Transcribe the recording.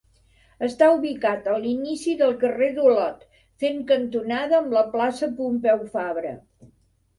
Està ubicat a l'inici del carrer d'Olot, fent cantonada amb la plaça Pompeu Fabra.